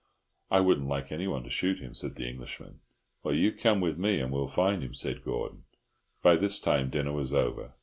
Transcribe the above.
"I wouldn't like anyone to shoot him," said the Englishman. "Well, you come with me, and we'll find him," said Gordon. By this time dinner was over.